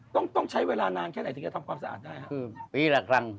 ต้องใช้เวลานานแค่ไหนถึงจะทำความสะอาดได้ครับ